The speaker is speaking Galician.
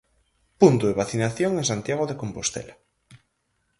Punto de vacinación en Santiago de Compostela.